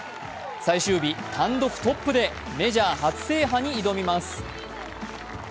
最終日、単独トップでメジャー初制覇に挑みます。